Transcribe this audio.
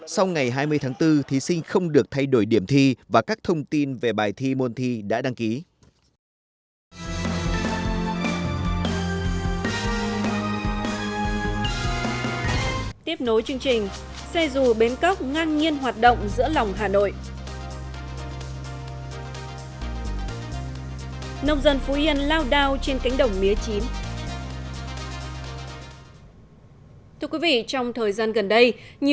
sau ngày hai mươi tháng bốn thí sinh không được thay đổi điểm thi và các thông tin về bài thi môn thi đã đăng ký